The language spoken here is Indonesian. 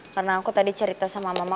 karena aku tadi cerita sama mama